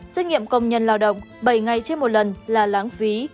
xét nghiệm công nhân lao động bảy ngày trên một lần là lãng phí